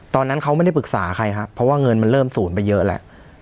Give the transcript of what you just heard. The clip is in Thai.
ตอนนั้นเขาไม่ได้ปรึกษาใครครับเพราะว่าเงินมันเริ่มศูนย์ไปเยอะแล้ว